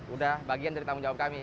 udah bagian dari tanggung jawab kami